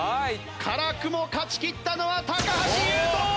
辛くも勝ちきったのは橋優斗！